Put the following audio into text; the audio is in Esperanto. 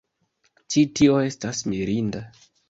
Ĉi tio estas mirinda